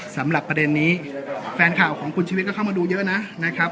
สำหรับประเด็นนี้แฟนข่าวของคุณชีวิตก็เข้ามาดูเยอะนะครับ